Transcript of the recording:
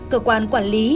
cơ quan quản lý